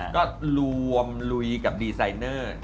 ก็รวมลุยกับดีไซเนอร์